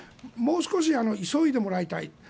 もう少し急いでもらいたい。